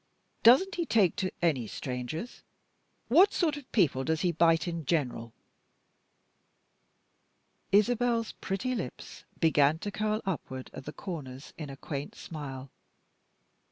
Doesn't he take to any strangers? What sort of people does he bite in general?" Isabel's pretty lips began to curl upward at the corners in a quaint smile.